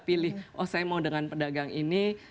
pilih oh saya mau dengan pedagang ini